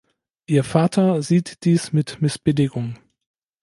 Ihr Vater sieht dies mit Missbilligung.